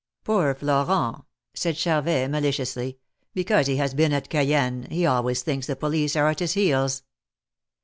^^Poor Florent!" said Char vet, maliciously, because he has been at Cayenne, he always thinks the police are at his heels."